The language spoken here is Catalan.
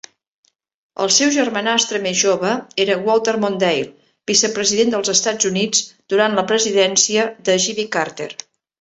El seu germanastre més jove era Walter Mondale, vicepresident dels Estats Units durant la presidència de Jimmy Carter.